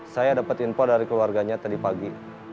saya dapat info dari keluarganya tadi pagi